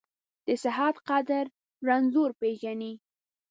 د صحت قدر رنځور پېژني.